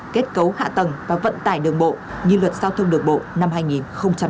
kết cấu hạ tầng và vận tải đường bộ như luật giao thông đường bộ năm hai nghìn tám